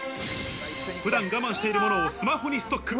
普段我慢しているものをスマホにストック。